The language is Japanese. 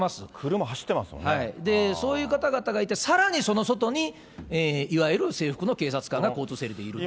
そういう方々がいて、さらにその外に、いわゆる制服の警察官が交通整理でいると。